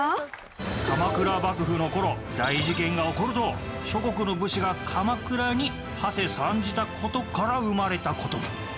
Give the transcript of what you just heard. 鎌倉幕府の頃大事件が起こると諸国の武士が鎌倉にはせ参じた事から生まれた言葉。